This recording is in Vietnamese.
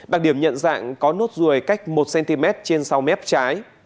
đặc điểm nhận dạng có nốt ruồi cách một cm trên sau mép trái